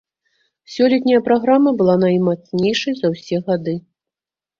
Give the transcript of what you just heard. Сёлетняя праграма была наймацнейшай за ўсе гады.